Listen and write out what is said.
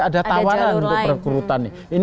ada tawaran untuk perekrutan ada jalur lain